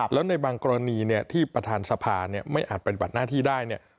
แล้วในบางกรณีเนี่ยที่ประธานสภาไม่อาจปฏิบัติหน้าที่ได้เนี่ย